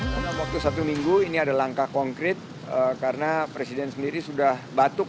dalam waktu satu minggu ini ada langkah konkret karena presiden sendiri sudah batuk